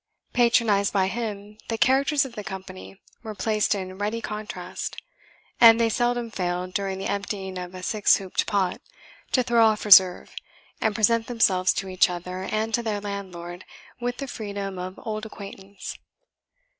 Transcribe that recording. Patronized by him the characters of the company were placed in ready contrast; and they seldom failed, during the emptying of a six hooped pot, to throw off reserve, and present themselves to each other, and to their landlord, with the freedom of old acquaintance.